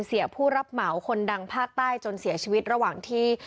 เสียผู้รับเหมาคนดังภาคใต้จนเสียชีวิตระหว่างที่